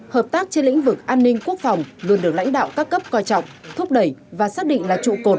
hợp tác trên lĩnh vực an ninh quốc phòng luôn được lãnh đạo các cấp coi trọng thúc đẩy và xác định là trụ cột